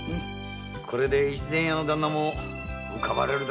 これで越前屋のだんなも浮かばれる。